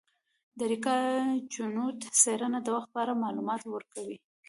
د اریکا چنووت څیړنه د وخت په اړه معلومات ورکوي.